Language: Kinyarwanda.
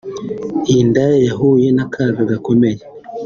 iy’indaya yahuye n’akaga gakomeye